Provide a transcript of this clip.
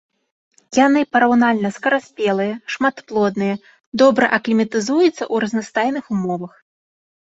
Яны параўнальна скараспелыя, шматплодныя, добра акліматызуюцца ў разнастайных умовах.